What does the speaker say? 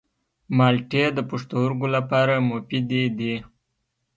مالټې د پښتورګو لپاره مفیدې دي.